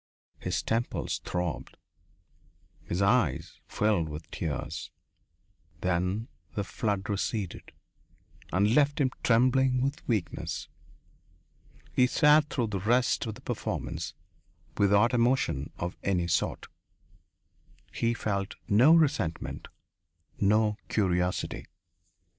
His temples throbbed. His eyes filled with tears. Then the flood receded and left him trembling with weakness. He sat through the rest of the performance without emotion of any sort. He felt no resentment, no curiosity.